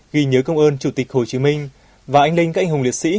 ghi nhớ công ơn chủ tịch hồ chí minh và anh linh các anh hùng liệt sĩ